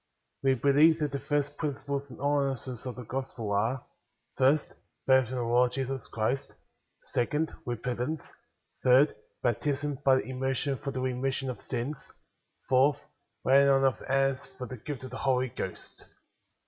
4. We believe that the first principles and ordi nances of the Gospel are :— First, Faith in the Lord Jesus Christ; Second, Eepentance; Third, Baptism by immersion for the remission of sins ; Fourth, Lay ing on of Hands for the Gift of the Holy Ghost.